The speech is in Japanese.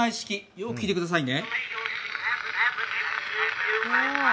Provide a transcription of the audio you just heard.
よく聴いてくださいね。